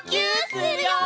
するよ！